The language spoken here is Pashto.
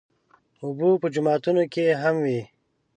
اوبه په جوماتونو کې هم وي.